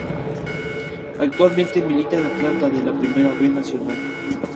Actualmente milita en Atlanta de la Primera B Nacional.